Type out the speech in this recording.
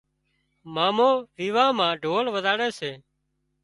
مامو ويوان مان ڍول وزاڙي سي